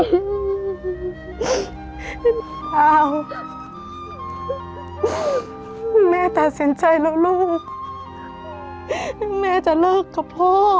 แม่ตัดสินใจแล้วลูกแม่จะเลิกกับพ่อ